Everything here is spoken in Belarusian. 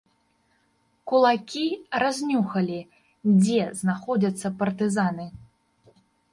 Кулакі разнюхалі, дзе знаходзяцца партызаны.